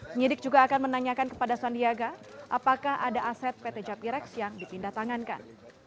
penyidik juga akan menanyakan kepada sandiaga apakah ada aset pt japirex yang dipindah tangankan